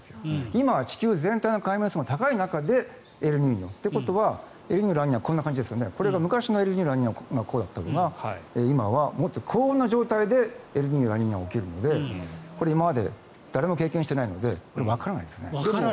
今は地球全体の海面水温が高い中でエルニーニョということはエルニーニョ、ラニーニャは昔はこんな感じだったのが今はもっと高温な状態でエルニーニョ、ラニーニャが起きるのでこれは今までに誰も経験してないのでわからないです。